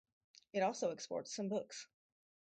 It also exports some books.